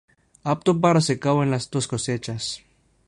Apto para secado en las dos cosechas.